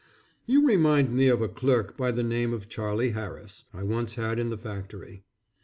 You remind me of a clerk, by the name of Charlie Harris, I once had in the factory.